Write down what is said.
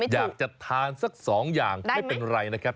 อยากจะทานสัก๒อย่างไม่เป็นไรนะครับ